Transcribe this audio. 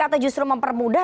atau justru mempermudah